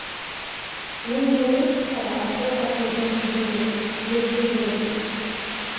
Уи лрыцҳара атәы аҭоурых дууп, иазыбуазеи.